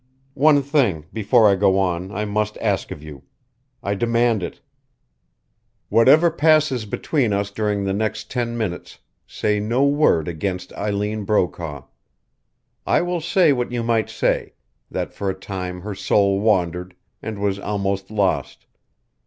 One thing, before I go on, I must ask of you. I demand it. Whatever passes between us during the next ten minutes, say no word against Eileen Brokaw. I will say what you might say that for a time her soul wandered, and was almost lost.